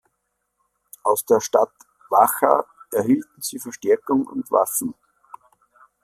Aus der Stadt Vacha erhielten sie Verstärkung und Waffen.